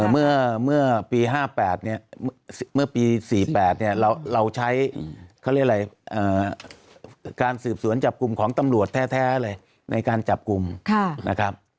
เมื่อปี๕๘เนี่ยเมื่อปี๔๘เนี่ยเราใช้เขาเรียกอะไรการสืบสวนจับกลุ่มของตำรวจแท้เลยในการจับกลุ่มนะครับ